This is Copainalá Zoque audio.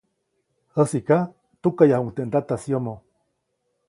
Jäsiʼka tukaʼyajuʼuŋ teʼ ndataʼis yomoʼ.